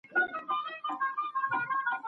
عجب راګوري د